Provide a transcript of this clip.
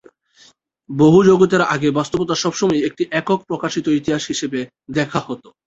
বহু-জগতের আগে বাস্তবতা সবসময়ই একটি একক প্রকাশিত ইতিহাস হিসাবে দেখা হত।